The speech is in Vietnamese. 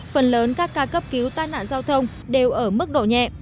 phần lớn các ca cấp cứu tai nạn giao thông đều ở mức độ nhẹ